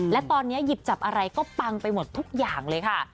และตอนนี้หยิบจับอะไรก็ปังไปหมดทุกอย่างเลยค่ะ